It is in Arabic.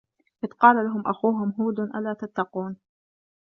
إِذ قالَ لَهُم أَخوهُم هودٌ أَلا تَتَّقونَ